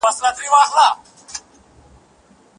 ورزش د انسان د بدن دفاعي سیسټم پیاوړی کوي.